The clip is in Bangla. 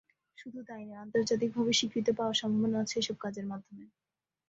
শুধু তাই নয়, আন্তর্জাতিকভাবে স্বীকৃতি পাওয়ার সম্ভাবনা আছে এসব কাজের মাধ্যমে।